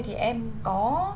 thì em có